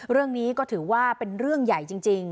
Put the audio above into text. เรื่องนี้ก็ถือว่าเป็นเรื่องใหญ่จริง